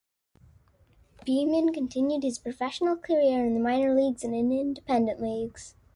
Beamon continued his professional career in the minor leagues and in independent leagues.